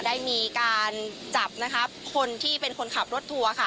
ได้มีการจับนะคะคนที่เป็นคนขับรถทัวร์ค่ะ